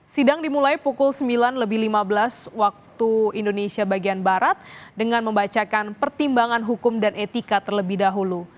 sidang dimulai pukul sembilan lebih lima belas waktu indonesia bagian barat dengan membacakan pertimbangan hukum dan etika terlebih dahulu